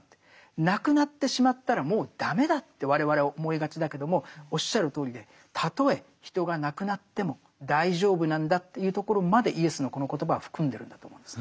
亡くなってしまったらもう駄目だって我々は思いがちだけどもおっしゃるとおりでたとえ人が亡くなっても大丈夫なんだっていうところまでイエスのこの言葉は含んでるんだと思うんです。